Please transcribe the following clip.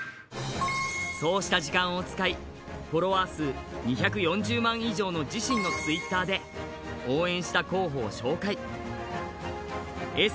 そうした時間を使い、フォロワー数２４０万以上の自身のツイッターで、応援した候補を紹介。